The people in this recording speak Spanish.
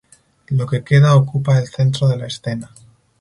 Lo que queda ocupa el centro de la escena.